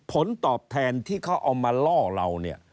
ผลตอบแทนที่เขาเอามาล่อเราเนี่ย